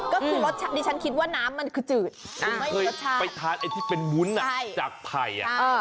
ก็คือรสชาติดีฉันคิดว่าน้ำมันคือจืดไม่มีรสชาติคุณเคยไปทานไอที่เป็นวุ้นอ่ะจากผ่ายอ่ะ